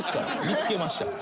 見つけました。